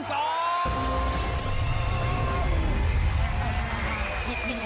หน้าอกหน้าอกแอ่น